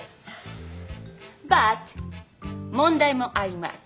バット問題もあります。